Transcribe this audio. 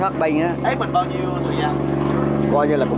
hát bình bao nhiêu thời gian